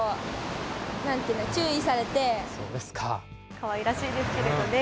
かわいらしいですけれどね。